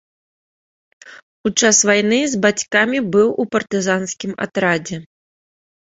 У час вайны з бацькамі быў у партызанскім атрадзе.